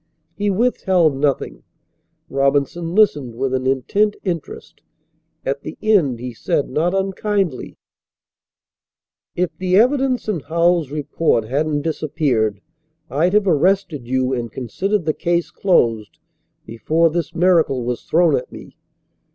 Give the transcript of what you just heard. He withheld nothing. Robinson listened with an intent interest. At the end he said not unkindly: "If the evidence and Howells's report hadn't disappeared I'd have arrested you and considered the case closed before this miracle was thrown at me.